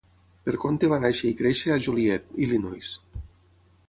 Perconte va néixer i créixer a Joliet, Illinois.